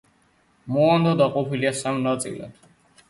მოანდა დაყოფილია სამ ნაწილად.